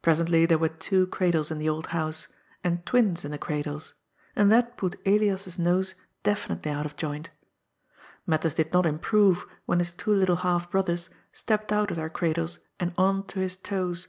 Presently there were two cradles in the old house, and twins in the cradles, and that put Elias's nose definitely out of joint. Matters did not improve when his two little half brothers stepped out of their cradles and on to his toes.